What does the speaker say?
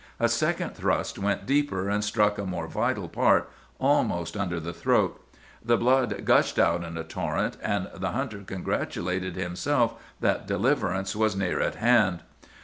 A second thrust went deeper, and struck a more vital part, almost under the throat. The blood gushed out in a torrent, and the hunter congratulated himself that deliverance was near at hand.